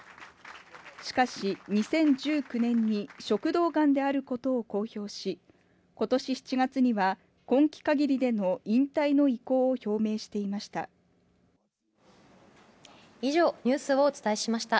しかし、２０１９年に食道がんであることを公表し今年７月には、今期限りでの引退の意向を表明していました。